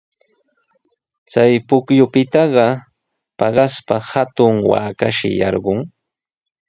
Chay pukyupitaqa paqaspa hatun waakashi yarqun.